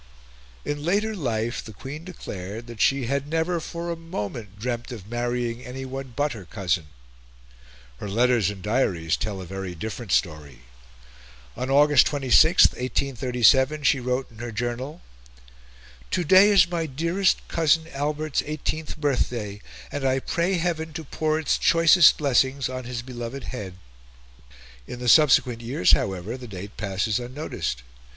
In later life the Queen declared that she had never for a moment dreamt of marrying anyone but her cousin; her letters and diaries tell a very different story. On August 26, 1837, she wrote in her journal: "To day is my dearest cousin Albert's 18th birthday, and I pray Heaven to pour its choicest blessings on his beloved head!" In the subsequent years, however, the date passes unnoticed.